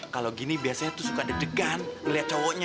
kalau gini biasanya tuh suka dedegan liat cowoknya